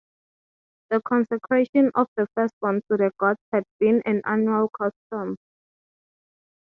The consecration of the firstborn to the gods had been an annual custom.